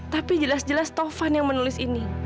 tapi jelas jelas tovan yang menulis ini